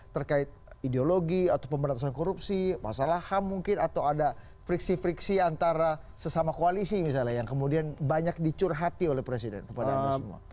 terkait ideologi atau pemberantasan korupsi masalah ham mungkin atau ada friksi friksi antara sesama koalisi misalnya yang kemudian banyak dicurhati oleh presiden kepada anda semua